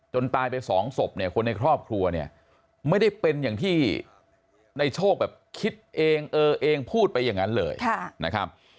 ตายไปสองศพเนี่ยคนในครอบครัวเนี่ยไม่ได้เป็นอย่างที่ในโชคแบบคิดเองเออเองพูดไปอย่างนั้นเลยนะครับ